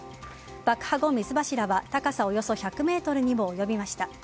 爆破後、水柱は高さおよそ１００ｍにも及びました。